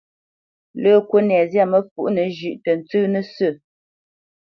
Lə́ kúnɛ zyâ məfǔʼnə zhʉ̌ʼ tə ntsə́ nə̂ sə̂.